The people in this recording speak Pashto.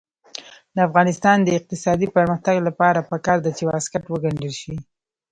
د افغانستان د اقتصادي پرمختګ لپاره پکار ده چې واسکټ وګنډل شي.